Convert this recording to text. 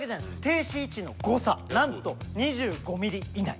停止位置の誤差なんと２５ｍｍ以内。